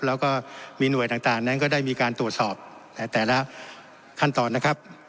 แล้วก็มีหน่วยต่างนั้นก็ได้มีการตรวจสอบแต่ละขั้นตอนนะครับ